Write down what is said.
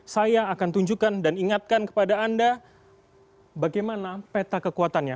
saya akan tunjukkan dan ingatkan kepada anda bagaimana peta kekuatannya